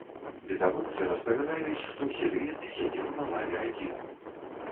Відавочцы распавядаюць, што сірыец сядзеў на лаве адзін.